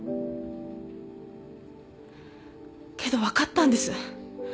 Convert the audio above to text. けど分かったんです。